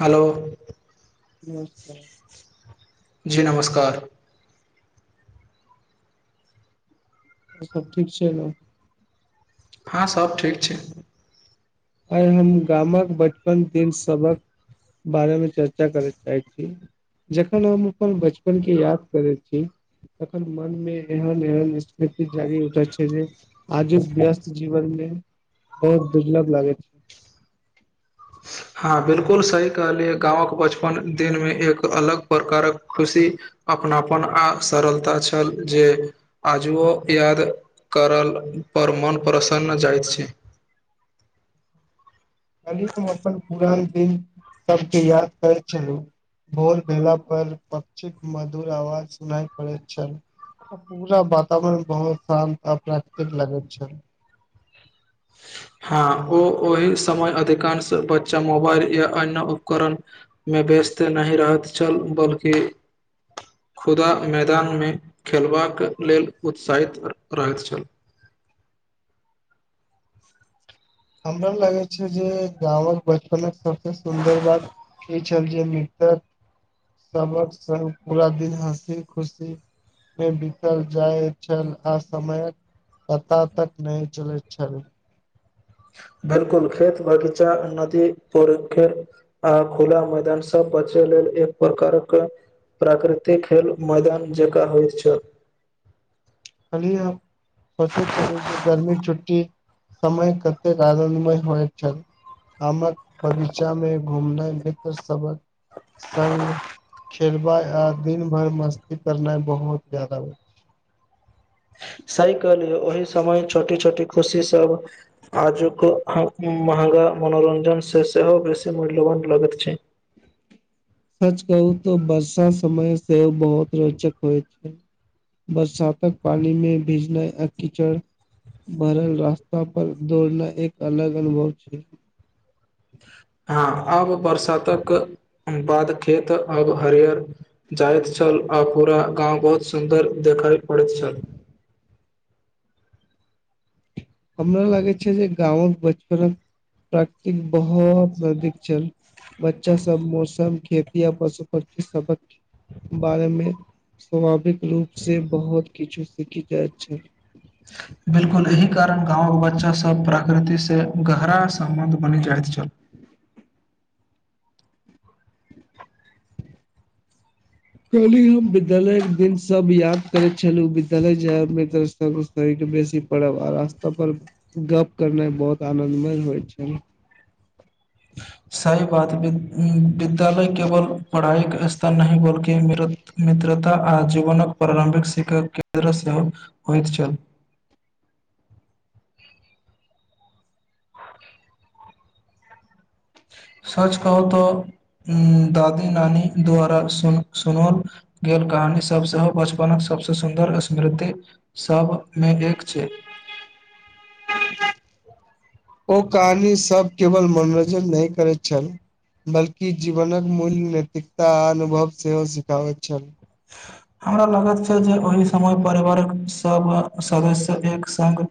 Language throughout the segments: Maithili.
हेलो नमस्कार जी नमस्कार आओरसब ठीक छै ने हाँ सब ठीक छै आई हम गामक बचपन दिन सबक बारेमे चर्चा करय चाहैत छी जखन हम अपन बचपन के याद करे छी तखन मन मे एहन एहन स्मृति जगि उठैत छै जे आजु व्यस्त जीवन मे बहुत दुर्लभ लागैय [inaudible] हाँ बिल्कुल सही कहलिये गाँवक बचपन दिन में एक अलग प्रकारक खुशी अपनापन आ सरलता छल जे आजुओ याद करल पर मोन प्रसन्न जाइत छै [inaudible] कहली हम अपन पुरान दिन सबके याद करैत छलहुँ भोर भला पर पक्षी मधुर आवाज सुनाई पड़ै छै पूरा वातावरण बहुत शान्त आ प्राकृतिक लागै छै ह ओ ओहि समय अधिकांश बच्चा मोबाइल या अन्य उपकरणमे वयस्त त नहि रहैत छल बल्कि खुदा मैदानमे खेलबाक लेल उत्साहित रहैत छल [inaudible] हमरा ने लागै छै जे गाँवक बचपन सबसे सुन्दर बात छल जे मित्रक सबक स पूरा दिन हँसी खुशी मे भीतल जाइ छन आ समय पता तक नहि चलैत छल बिल्कुल खेत बगीचा नदी प आ खुला मैदान सब बच लेल एक प्रकारक प्राकृतिक खेल मैदान जकाँ होइत छल खली सोचे छलउ जे गर्मी छुट समय कतेक आनन्दमय होइ छन आमक बगीचा में घूमना मित्र सभक संगमे खेलबा आ दिन भर मस्ती करनाई बहुत ज्यादा [inaudible] सह कल य ओहि समय छोटी छोटी खुशी सब आजुक पूरा मनोरञ्जन से सेहो बेसी मूल्यवान लागैत छै [inaudible] सच कहू त बर्षा समय सेहो ओ बहुत रोचक होइ छै बरसा तक पानी मे भीजनाइ आ कीचड़ भरल रास्ता पर दौड़ना एक अलग अनुभव छै हाँ आब बरसातक बाद खेत तऽ अब हरियर जाइत छल आ पूरा गाँव बहुत सुंदर देखा पड़ैत छल [inaudible] हमरा लागे छै जे गाँमक बचपनमे प्राकृतिक बहुत अधिक छल बच्चा सब मौसम खेती य पशु पक्षी सबक बारेमे स्वभाविक रूप से बहुत किछु सीखी जाइत छै [inaudible] बिल्कुल एहि कारण गांव के बच्चा सब प्रकृति से गहरा सम्बंध बनि जाइत छल [unintelligible] कहली हम विद्यालय के दिन सब याद करे छलु विद्यालय जाय मे त बेसी पड़ब आ रास्ता पर गप करनाई बहुत आनंदमय होइ छै [inaudible] सही बात विद्यालय केवल पढ़ाई के स्तर नहि बल्कि म मित्रता आ जीवनक प्रारम्भिक शिक्षाक केन्द्र सेहो होइत छल [inaudible] सच कहू तऽ दादी नानी द्वारा सुन सुनल गे कहानी सभ सेहो बचपनक सबसे सुन्दर स्मृति सभमे एक छै [inaudible] [inaudible] ओ कहानी सब केवल मनोरञ्जन नहि करैत छल बल्कि जीवनक मूल नैतिकता आ अनुभव सेहो सिखाबैत छल हमरा लागत छल जे ओहि समय परिवारक सब सदस्य एक संग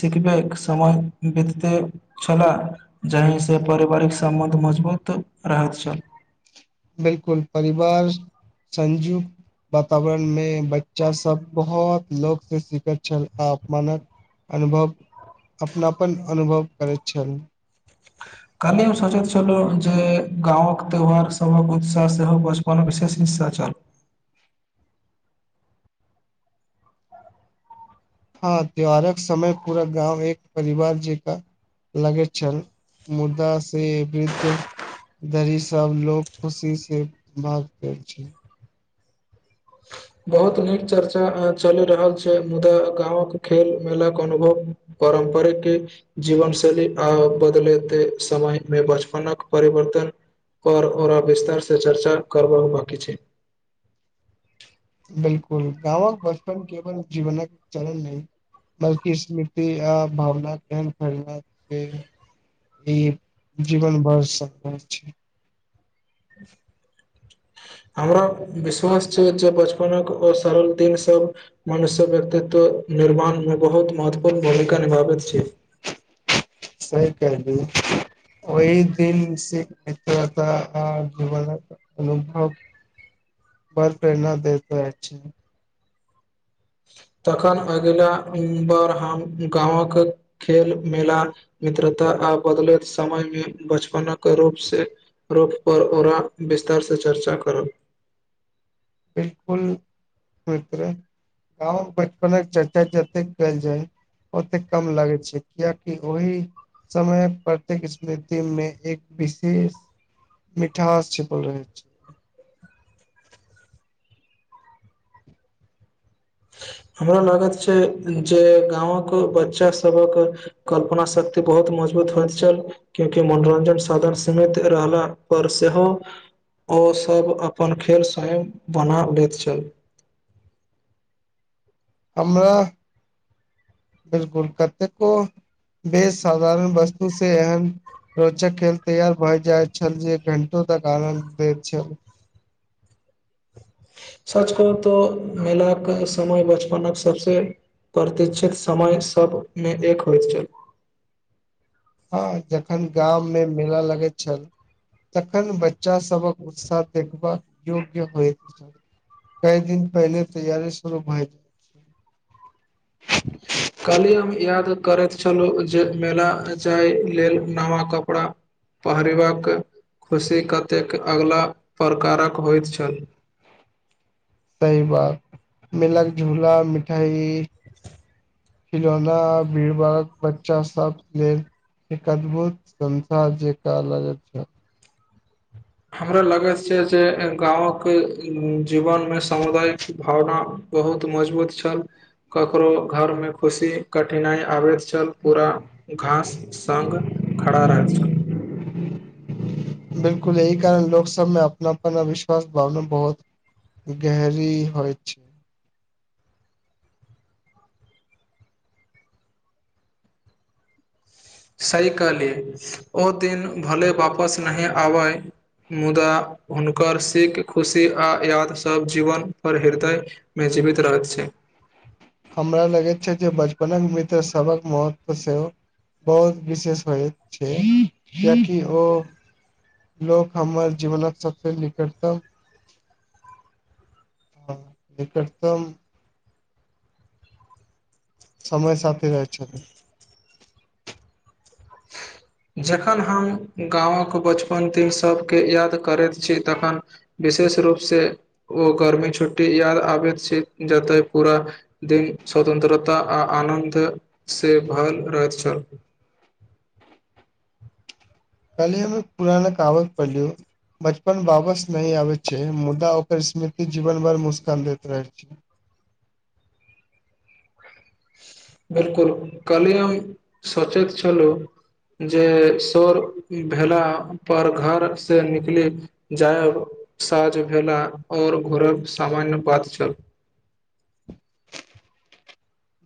सिखबे के समय बितते छलाह जाहिसँ पारिवारिक संबन्ध मजबूत बहुत रहत छल बिलकुल परिवार संजु वातावरण में बच्चा सब बहुत लोक से सिखत छल अपमानक अनुभव अपनापन अनुभव करैत छल काल्हिये हम सोचैत छलौं जे गाँवक त्यौहार सबहक उत्साह सेहो बचपन विशेष छल [inaudible] हँ त्यौहारक समय पूरा गाँव एक परिवार जका लगैत छल मुदा से वृद्ध धर ई सभ लोक खुशी से भाग लैय छैय [inaudible] बहुत नीक चर्चा चलि रहल छैय मुदा गाँवक खेल मेलाक अनुभव करब परिक जीवन शैली आ बदलेते समय में। बचपनक परिवर्तन कर और विस्तार से चर्चा करबा बाकी छैय [inaudible] बिलकुल गाँवक बचपन केवल जीवनक चलन नई बल्कि स्मृति आ भावना के एहन खोलने छैइ ई जीवन बढं सकै छैइ [inaudible] [inaudible] हमरा विश्वास छैइ जे बचपनक ओ सरल दिन सब मनुष्यक व्यक्तित्व निर्माण में बहुत महत्वपूर्ण भूमिका निभाबैत छैइ सही कहलीअई ओहि दिन से मित्रता आ जीवन अनुभव बर प्रेरणा देइत अछि तखन अगिला बर हम गाँवक खेल मेला मित्र आ बदलैत समय में बचपनक रूप से रूख पर ओरा विस्तारसँ चर्चा करब बिलकुल मित्र गांव बचपनक चर्चा जैतेक कएल जाय ओतेक कम लगैय छैय कियकि ओहि समय प्रत्येक स्मृति मे एक विशेष मिठास छिपल रहैय छैय [inaudible] हमरा लागत छैय जे गाँंवक बच्चा सबक कल्पना शक्ति बहुत मज मजबूत होइत छल क्योंकि मनोरंजन साधन सीमित रहला पर सेहो ओसभ अपन खेल स्वयं बना लैत छल हमरा बिलकुल कतेकेको बेसधारण वस्तु से एहन रोचक खेल तैयार भए जाइत छल जे घंटो तक आनन्द दैत छल सच कहूं तो मेलाके समय बचपन सबसँ प्प्रतिक्षित समय सबमें एक होइत छल हँ जखन गाममे मेला लगैत छल तखन बच्चा सभक उत्साह देखबबाक योग्य होइत छै कई दिन पहिले तैयारी शुरू भैय जाइ कहली हम याद करैत छलहुँ जे मेला जाय लेल नवा कपड़ा पहिरेबाक खुशी कतेक अगला प्रकारक होइत छल [inaudible] सही बात मिलक झूला मिठाई खिलौना भीड़ भार बच्चा सब लेल एक अद्भुत संसार जेका लागेय छल हमरा लगैत छै जे गांव के जीवन मे सामुदायिक भावना बहुत मजबूत छल ककरो घर में खुशी कठिनाइ आबैत छल पूरा घास संग खड़ा रहैत छल बिलकुल यही कारण लोक सब में अपना पन आ विश्वास भावना बहुत गहरी होइ छै सही कहली ओ दिन भले वापस नइ आबैय मुदा हुनकर सीख खुशी आ याद सभ जीवन पर हृदयमे जीवित रहत छै हमरा लगैत छै जे बचपनक में सबक महत्व सेहो बहुत विशेष होइत छै किया कि ओ लोक हमर जीवनक सबसँ निकटतम ह निकटतम समय साथी रहै छै जखन हम गाँवक बचपन दिन सबके याद करैत छी तखन विशेष रूप से ओ गर्मी छुट्टी या आबैत जतैय पूरा दिन स्वतन्त्रता आ आनन्द से भरल रहेत छल [inaudible] कालहे हम पुराना कागज पढ़लियौ बचपन वापस नइ आबै छै मुदा ओकर स्मृति जीवन भर मुस्कान दैत रहै छै [inaudible] बिलकुल कली हम सोचेत छलों जे शोर भेला पर घर से निकलि जायब साँझ भेला और घोरल सामान्य बात चल [inaudible]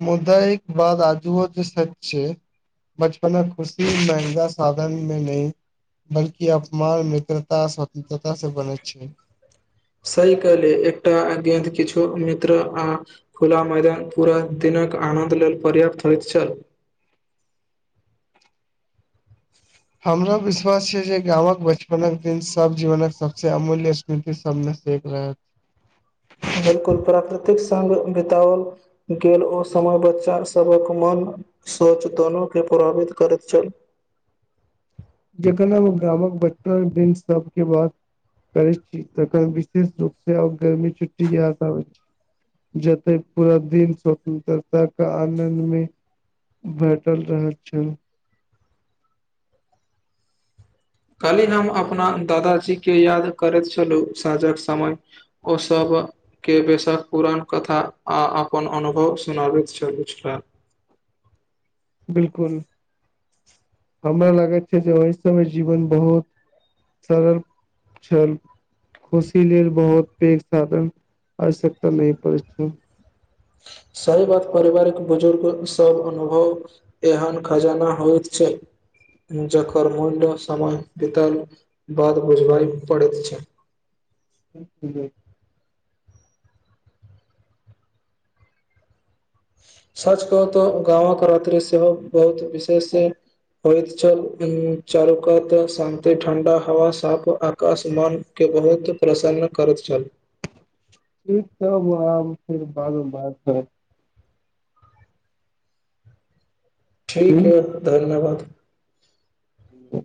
मुदा एक बाद आजूऔ जे सच छै बचपनाक खुशी महंगा साधन मे नइ बल्कि अपमान मित्रता स्वतन्त्रता से बनेैत छै गेन्द्र किछु मित्र आ खुला मैदान पूरा दिनक आनन्द लेल पर्याप्त होइत छल [unintelligible] ह [unintelligible] हमरो विश्वास छैक जे गामक बचपनक देख रहल बिलकुल प्राकृतिक बिताओल गेल ओ समय बच्चा सभक मन सोच दोनो केँ प्रभावित करैत छल जखना गामक बच्पन दिन सबकेँ बाद करै छी तखन विशेष रूप से आ गर्मी छुट्टी के याद आबैत छै जतइ पूरा दिन स्वतंत्रता क आनन्दमे भेटल रहैत छल कालहि हम अपना दादा जी के याद करैत छलहुँ साँझक समय ओसभ के बेसाक पुरान कथा आ अपन अनुभव सुनाबैत छल छैला बिलकुल हमरा लागैत छै जे ओहि समय जीवन बहुत सरल छल खुशी लेल बहुत पैघ साधन आवश्यकता नइ [inaudible] सही बात परिवारिक बुजुर्ग सब अनुभव एहन खजाना होइत छैक जकर मूल्य समय बितल बाद बुझबइ पड़े छै जी सच कहू तऽ गाँव क राति सेहो बहुत विशेष छै होइत छल चारुकात शान्ति ठंडा हवा साफ आकाशमान केँ बहुत प्रसन्न करैत चलू ठीक तब आ फेर बाद बात कलब करब ठीकै धन्यवाद ह